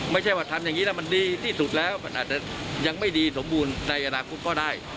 ไม่ใช่ว่าทำอย่างนี้แล้วมันดีที่สุดแล้วมันอาจจะยังไม่ดีสมบูรณ์ในอนาคตก็ได้